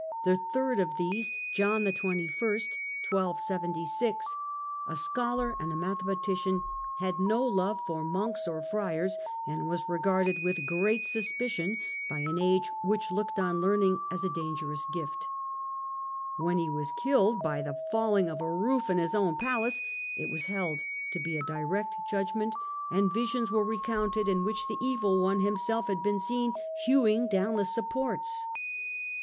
The third of these, y. 1276 joi in XXI., a scholar and a mathematician, had no love John ' XXI., 1276 for monks or friars and was regarded with great sus picion by an age which looked on learning as a danger ous gift. ^Vhen he was killed by the falling of a roof in his own palace, it was held to be a direct judg ment, and visions were recounted in which the Evil One himself had been seen hewing down the supports.